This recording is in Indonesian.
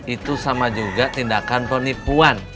itu sama juga tindakan penipuan